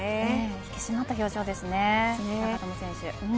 引き締まった表情ですね。